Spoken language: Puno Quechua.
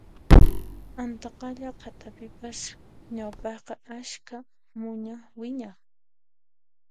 Antaqalla qhatapipas ñawpaqqa askha muña wiñaq